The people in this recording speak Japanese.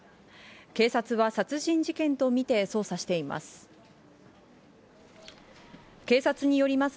警察は殺人事件と見て捜査しています。